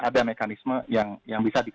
ada mekanisme yang bisa